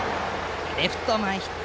レフト前ヒット。